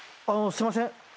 すいません。